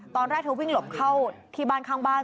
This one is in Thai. ตอนแรกเธอวิ่งหลบเข้าที่บ้านข้างบ้าน